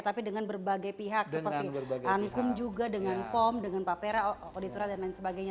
tapi dengan berbagai pihak seperti ankum juga dengan pom dengan pak pera auditora dan lain sebagainya